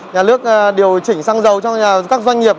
nhà nước điều chỉnh xăng dầu cho các doanh nghiệp